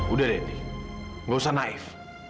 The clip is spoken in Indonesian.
udah deh indi nggak usah naif